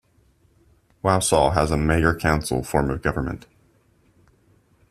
Wausau has a mayor–council form of government.